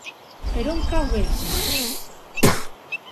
Per on cau Bèlgida?